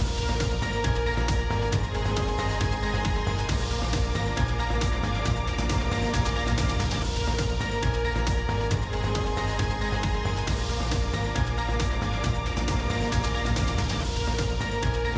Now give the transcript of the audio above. โปรดติดตามตอนต่อไป